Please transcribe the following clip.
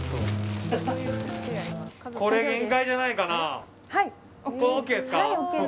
これ、限界じゃないかな？